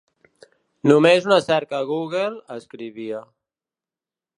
Només una cerca a Google, escrivia.